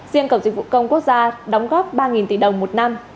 riêng cổng dịch vụ công quốc gia đóng góp ba tỷ đồng một năm